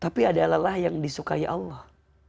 tapi ada lelah yang disukai allah